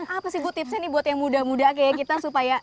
apa sih bu tipsnya nih buat yang muda muda kayak kita supaya